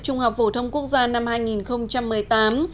trung học phổ thông quốc gia năm hai nghìn một mươi tám